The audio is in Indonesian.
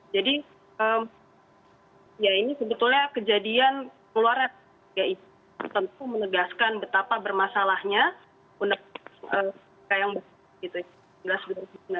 jadi ya ini sebetulnya kejadian keluarga sp tiga itu tentu menegaskan betapa bermasalahnya undang undang dua ribu sembilan belas